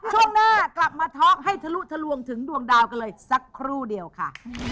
ช่วงหน้ากลับมาท็อกให้ทะลุทะลวงถึงดวงดาวกันเลยสักครู่เดียวค่ะ